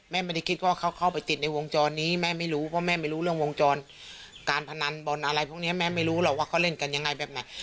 ไม่ได้คิดว่าเขาเข้าไปติดในวงจรนี้แม่ไม่รู้เพราะแม่ไม่รู้เรื่องวงจรการพนันบอลอะไรพวกนี้แม่ไม่รู้หรอกว่าเขาเล่นกันยังไงแบบไหน